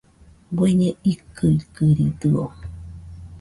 ¿Bueñe ikɨikɨridɨo?